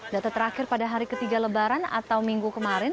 data terakhir pada hari ketiga lebaran atau minggu kemarin